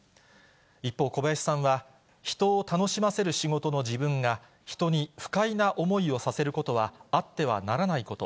一方、小林さんは、人を楽しませる仕事の自分が、人に不快な思いをさせることは、あってはならないこと。